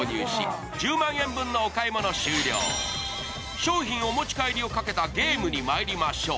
商品お持ち帰りをかけたゲームにまいりましょう。